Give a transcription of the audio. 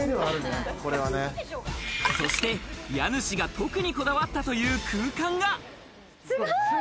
そして家主が特にこだわったという空間が。